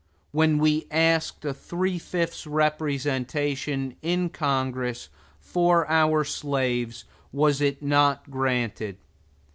When we asked a three fifths representation in Congress for our slaves, was it not granted?